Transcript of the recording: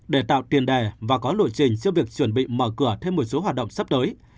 để tạo tiền đề và có lộ trình cho việc chuẩn bị mở cửa thêm một số hoạt động sắp tới